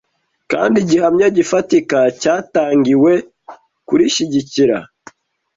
kandi igihamya gifatika cyatangiwe kurishyigikira